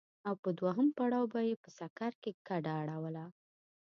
او په دوهم پړاو به يې په سکر کې کډه اړوله.